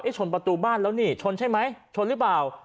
ชนประตูบ้านแล้วนี่ชนใช่ไหมชนหรือเปล่า